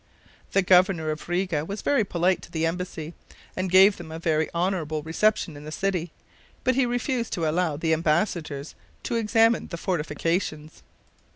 The governor of Riga was very polite to the embassy, and gave them a very honorable reception in the city, but he refused to allow the embassadors to examine the fortifications.